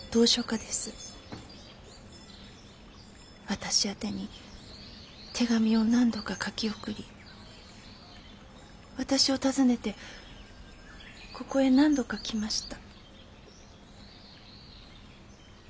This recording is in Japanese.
私宛てに手紙を何度か書き送り私を訪ねてここへ何度か来ました。